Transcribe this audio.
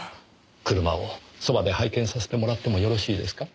車をそばで拝見させてもらってもよろしいですか？